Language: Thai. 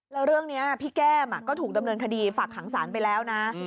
แล้วเรื่องนี้พี่แก้มก็ถูกดำเนินคดีฝากขังสารไปแล้วนะ